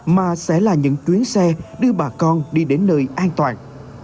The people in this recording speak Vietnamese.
mà sẽ là những chuyến xe đưa bà con đi đến nơi an toàn